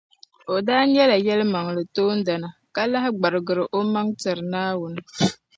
O daa nyɛla yɛlimaŋli toondana, ka lahi gbarigiri o maŋa tiri Naawuni.